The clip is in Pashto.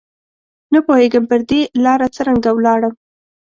نه پوهېږم پر دې لاره څرنګه ولاړم